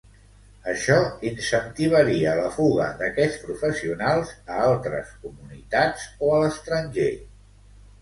Això incentivaria la fuga d'aquests professionals a altres comunitats o a l'estranger.